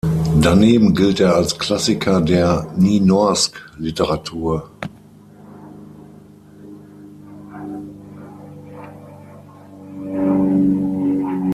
Daneben gilt er als Klassiker der Nynorsk-Literatur.